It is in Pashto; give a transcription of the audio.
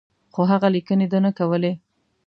خو هغه لیکني ده نه کولې.